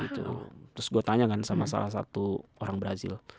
terus gue tanya kan sama salah satu orang brazil